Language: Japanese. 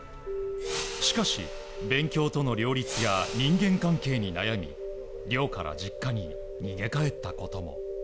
しかし、勉強との両立や人間関係に悩み寮から実家に逃げ帰ったことも。